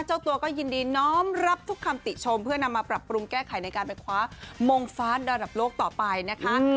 เจ้าตัวก็ยินดีน้อมรับทุกคำติชมเพื่อนำมาปรับปรุงแก้ไขในการไปคว้ามงฟ้าระดับโลกต่อไปนะคะ